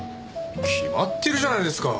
決まってるじゃないですか。